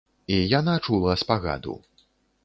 І яна чула спагаду.